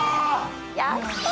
やった！